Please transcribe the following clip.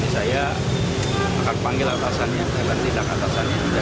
saya akan panggil atasannya akan tindak atasannya